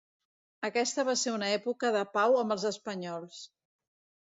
Aquesta va ser una època de pau amb els espanyols.